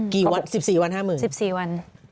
กี่วัน๑๔วัน๕๐๐๐๑๔วัน